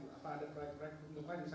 atau ada proyek proyek berhubungan gitu ya